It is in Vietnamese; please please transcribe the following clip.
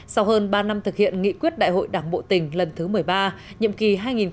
sau hơn ba năm thực hiện nghị quyết đại hội đảng bộ tỉnh lần thứ một mươi ba nhiệm kỳ hai nghìn hai mươi hai nghìn hai mươi